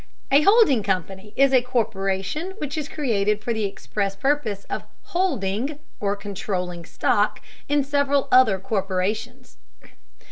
A holding company is a corporation which is created for the express purpose of "holding" or controlling stock in several other corporations.